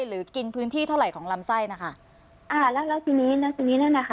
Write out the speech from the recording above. หรือกินพื้นที่เท่าไหร่ของลำไส้นะคะอ่าแล้วแล้วทีนี้แล้วทีนี้นั่นนะคะ